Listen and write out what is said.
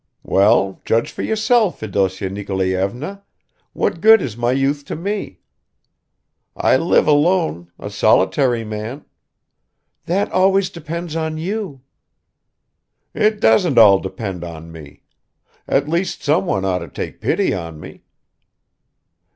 "Well, judge for yourself, Fedosya Nikolayevna, what good is my youth to me? I live alone, a solitary man ..." "That always depends on you." "It doesn't all depend on me! At least someone ought to take pity on me."